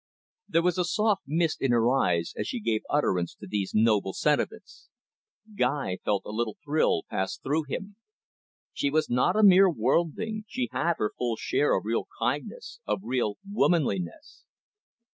There was a soft mist in her eyes, as she gave utterance to these noble sentiments. Guy felt a little thrill pass through him. She was not a mere worldling, she had her full share of real kindness, of real womanliness.